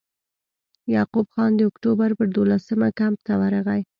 یعقوب خان د اکټوبر پر دولسمه کمپ ته ورغی.